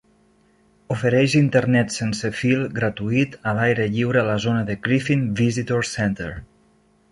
Ofereix internet sense fil gratuït a l'aire lliure a la zona de Griffin Visitor Center.